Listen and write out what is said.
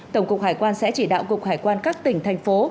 tổng cục hải quan sẽ chỉ đạo cục hải quan các tỉnh thành phố